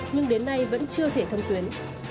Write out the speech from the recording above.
nhưng đến nay vẫn chưa thể thông tuyến